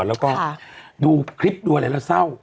แล้วก็ดูคลิปดูอะไรแล้วเศร้า